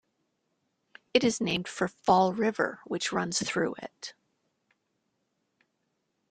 It is named for Fall River which runs through it.